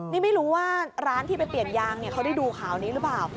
นี่ไม่รู้ว่าร้านที่ไปเปลี่ยนยางเขาได้ดูข่าวนี้หรือเปล่า